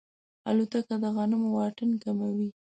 الوتکه د غمونو واټن کموي.